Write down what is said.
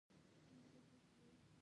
دا رښتیا ده.